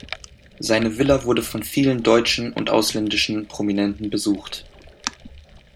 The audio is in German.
Seine Villa wurde von vielen deutschen und ausländischen Prominenten besucht.